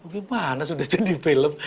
gimana sudah jadi film